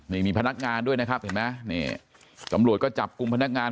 นี่มีพนักงานด้วยนะครับเห็นไหมนี่ตำรวจก็จับกลุ่มพนักงาน